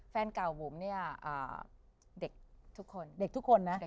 แฟนเก่าปุ้มเนี่ยเด็กทุกคนนะ